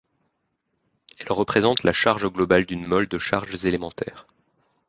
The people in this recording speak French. Elle représente la charge globale d'une mole de charges élémentaires.